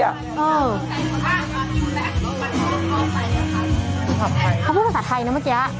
เขาพูดภาษาไทยนะเมื่อกี้